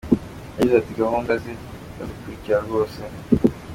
Yagize ati “Gahunda ze ndazikurikira rwose.